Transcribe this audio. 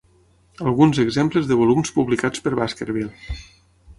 Alguns exemples de volums publicats per Baskerville.